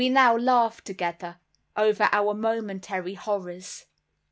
We now laughed together over our momentary horrors.